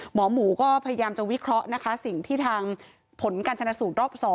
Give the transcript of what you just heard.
หมอหมูก็พยายามจะวิเคราะห์นะคะสิ่งที่ทางผลการชนะสูตรรอบ๒